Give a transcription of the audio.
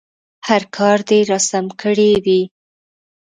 هر کار دې راسم کړی وي.